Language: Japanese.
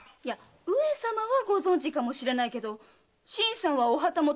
上様はご存じかもしれないけど新さんはお旗本の部屋住みでしょ。